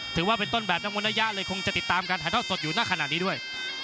ถือว่าเป็นต้นแบบนักมวยน่าญาเลยคงจะติดตามกันถ้าเธอสดอยู่หน้าขนาดนี้ด้วย